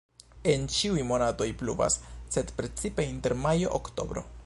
En ĉiuj monatoj pluvas, sed precipe inter majo-oktobro.